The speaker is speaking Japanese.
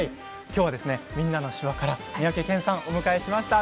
今日は「みんなの手話」から三宅健さんをお迎えしました。